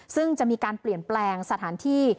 ซึ่งจะมีการเปลี่ยนแปลงสถานที่